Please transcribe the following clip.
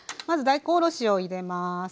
まず大根おろしを入れます。